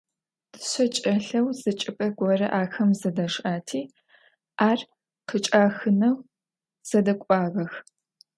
Дышъэ чӀэлъэу зы чӀыпӀэ горэ ахэм зэдашӀэти, ар къычӀахынэу зэдэкӀуагъэх.